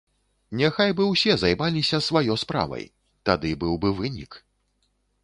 Няхай бы ўсе займаліся сваё справай, тады быў бы вынік.